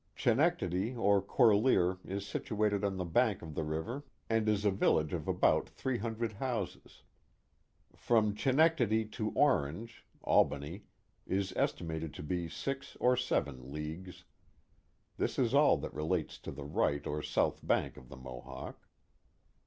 Chenectadi or Corlear is situated on the bank of the river and is a village of about three hundred houses. From Chenectadi to Orange (Albany) is estimated to be six or seven leagues. This is all that relates to the right or south bank of the Mohawk.